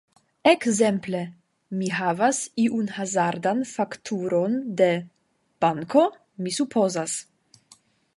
Ekzemple: mi havas iun hazardan fakturon de... banko mi supozas.